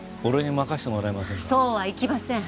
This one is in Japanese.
そうはいきません。